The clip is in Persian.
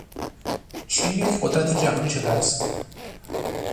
چین یک قدرت جهانی شده است.